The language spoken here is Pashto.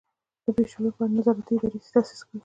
د ویشلو لپاره یې نظارتي ادارې تاسیس کړي.